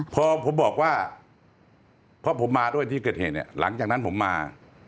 พอผมบอกว่าเพราะผมมาด้วยที่เกิดเหตุเนี่ยหลังจากนั้นผมมา